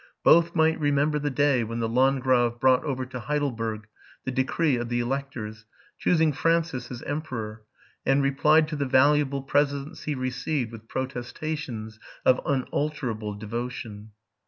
Both might remember the day when the landgrave brought over to Heidelberg the decree of the electors, choosing Francis as emperor, and replied to the valuable presents he received with protestations of unalterable devotion.